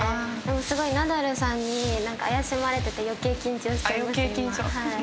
すごいナダルさんに怪しまれてて余計緊張しちゃいます